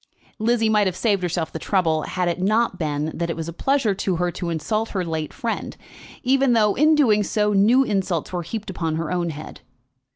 Lizzie might have saved herself the trouble, had it not been that it was a pleasure to her to insult her late friend, even though in doing so new insults were heaped upon her own head.